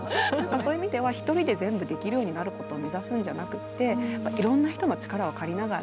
そういう意味では１人で全部できるようになることを目指すんじゃなくってやっぱいろんな人の力を借りながら。